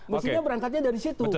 maksudnya berangkatnya dari situ